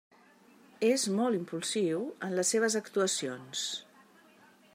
És molt impulsiu en les seves actuacions.